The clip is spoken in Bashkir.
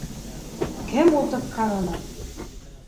Кем ултыртҡан уны?